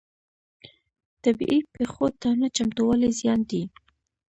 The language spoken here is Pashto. طبیعي پیښو ته نه چمتووالی زیان دی.